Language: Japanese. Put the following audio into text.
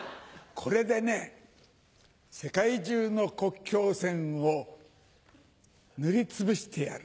これでね世界中の国境線を塗りつぶしてやる。